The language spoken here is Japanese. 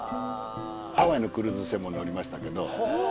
ハワイのクルーズ船も乗りましたけど。